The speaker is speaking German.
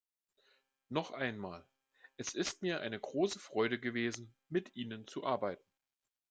Noch einmal, es ist mir eine große Freude gewesen, mit Ihnen zu arbeiten.